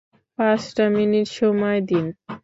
পাঁচটা মিনিট সময় দিন!